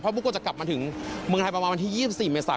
บุ๊กก็จะกลับมาถึงเมืองไทยประมาณวันที่๒๔เมษา